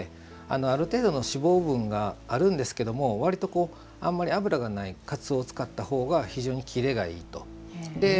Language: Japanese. ある程度の脂肪分があるんですけど割とあんまり脂がないかつおを使ったほうが非常にキレがいいと。